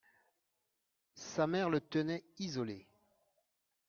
Sa mère le tenait isolé.